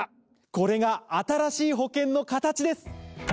これが新しい保険の形です！